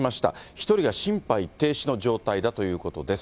１人が心肺停止の状態だということです。